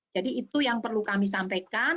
jadi itu yang perlu kami sampaikan